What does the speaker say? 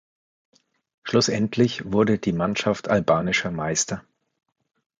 Schlussendlich wurde die Mannschaft albanischer Meister.